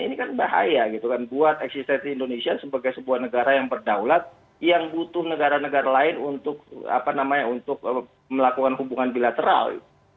ini kan bahaya gitu kan buat eksistensi indonesia sebagai sebuah negara yang berdaulat yang butuh negara negara lain untuk melakukan hubungan bilateral